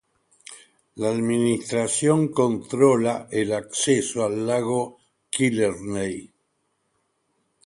La administración controla el acceso al lago Killarney.